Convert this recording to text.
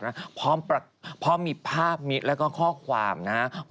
แล้วพร้อมมีภาพนิษฐ์เล่าจริงแล้วก็ข้อความนะครับ